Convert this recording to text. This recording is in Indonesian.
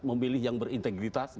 memilih yang berintegritas